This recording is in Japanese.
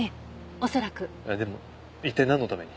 でも一体なんのために？